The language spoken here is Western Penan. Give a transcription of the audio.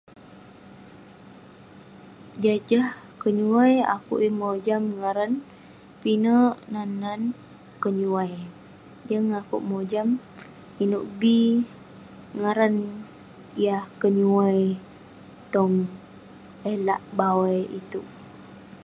Jah-jah keyuai akuek yeng mojam ngaran pinke nan-nan keyuai yeng akuek mojai inuek bi ngaran tong eh lak langit ituek